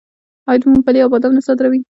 آیا دوی ممپلی او بادام نه صادروي؟